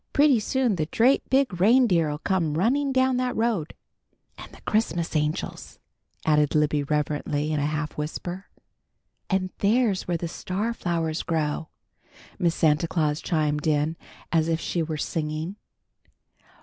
"Pretty soon the drate big reindeer'll come running down that road!" "And the Christmas Angels," added Libby reverently, in a half whisper. "And there's where the star flowers grow," Miss Santa Claus chimed in, as if she were singing.